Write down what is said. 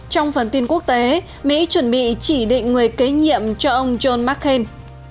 trong phần tin quốc tế mỹ chuẩn bị chỉ định người kế nhiệm cho ông john mccain